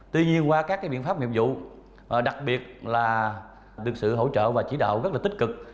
tuy nhiên qua các biện pháp nghiệp vụ đặc biệt là được sự hỗ trợ và chỉ đạo rất là tích cực